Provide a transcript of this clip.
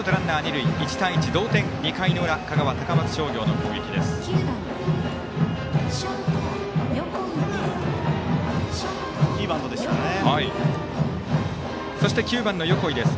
１対１、同点香川、高松商業の攻撃です。